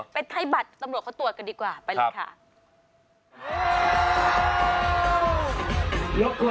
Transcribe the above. ไปใช้บัตรดีกว่าไปเลยค่ะ